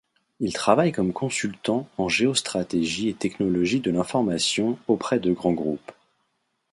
Il travaille comme consultant en géostratégie et technologies de l’information auprès de grands groupes.